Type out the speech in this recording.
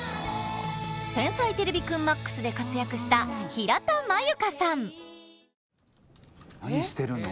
「天才てれびくんＭＡＸ」で活躍した何してるの？